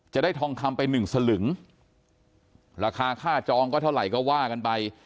จะได้ทองคำไปหนึ่งสลึงราคาค่าจองก็เท่าไหร่ก็ว่ากันไป